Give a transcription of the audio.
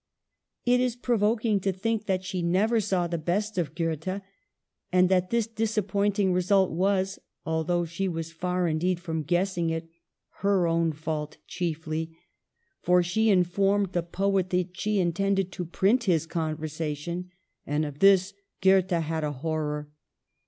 It is provoking to think that she never saw the best of Goethe, and that this disappointing result was — although she was far, indeed, from guessing it — her own fault chiefly ; for she informed the poet that she intended to print his conversation, and of this Goethe had a horror.